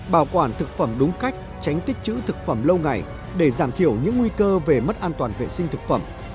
bảo quản thực phẩm đúng cách tránh tích chữ thực phẩm lâu ngày để giảm thiểu những nguy cơ về mất an toàn vệ sinh thực phẩm